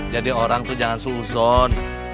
jadi orang tuh jangan suson